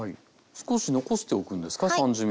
少し残しておくんですか３０ｍぐらい。